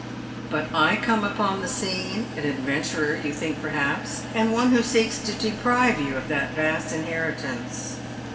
But I come upon the scene, an adventurer, you think, perhaps, and one who seeks to deprive you of that vast inheritance.